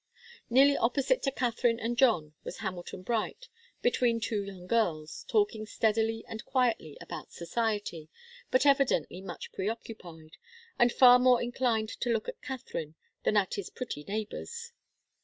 Nearly opposite to Katharine and John was Hamilton Bright, between two young girls, talking steadily and quietly about society, but evidently much preoccupied, and far more inclined to look at Katharine than at his pretty neighbours.